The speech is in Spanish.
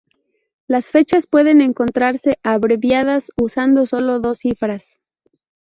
Las fechas pueden encontrarse abreviadas, usando sólo dos cifras.